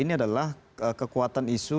ini adalah kekuatan isu